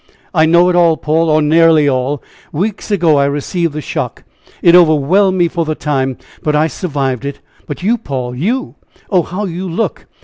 I know it all, Paul; or nearly all. Weeks ago I received the shock! it overwhelmed me for the time; but I survived it! But you, Paul you! Oh! how you look!